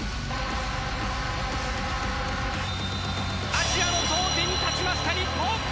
アジアの頂点に立ちました日本！